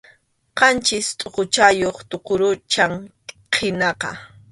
Qanchis tʼuquchayuq tuqurucham qinaqa.